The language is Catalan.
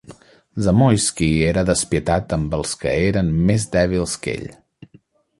Zamoyski era despietat amb els que eren més dèbils que ell.